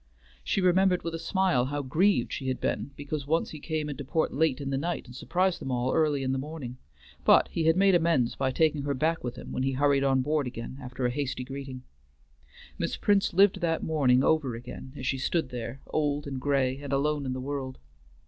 She remembered with a smile how grieved she had been because once he came into port late in the night and surprised them all early in the morning, but he had made amends by taking her back with him when he hurried on board again after a hasty greeting. Miss Prince lived that morning over again as she stood there, old and gray and alone in the world.